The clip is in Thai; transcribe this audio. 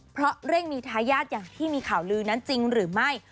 เพราะเร่งมีทายาทอย่างที่มีข่าวลือนั้นจริงหรือไม่